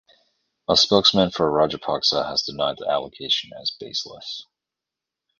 A spokesman for Rajapaksa has denied the allegations as baseless.